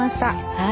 はい。